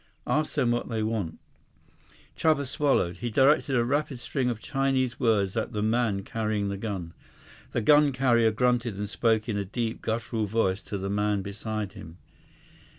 "Ask them what they want." Chuba swallowed. He directed a rapid string of Chinese words at the man carrying the gun. The gun carrier grunted and spoke in a deep, guttural voice to the man beside him.